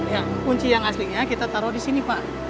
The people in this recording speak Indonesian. ya kunci yang aslinya kita taruh disini pak